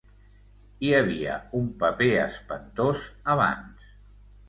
Hi havia un paper espantós abans...